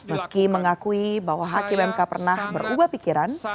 meski mengakui bahwa hakim mk pernah berubah pikiran